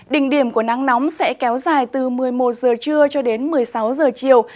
đỉnh điểm của nắng nóng sẽ kéo dài từ một mươi một giờ trưa cho đến một mươi sáu giờ chiều